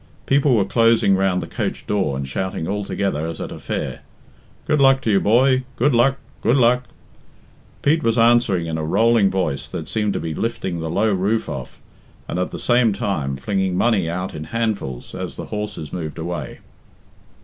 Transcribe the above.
People were closing round the coach door and shouting altogether as at a fair. "Good luck to you, boy. Good luck! Good luck!" Pete was answering in a rolling voice that seemed to be lifting the low roof off, and at the same time flinging money out in handfuls as the horses moved away.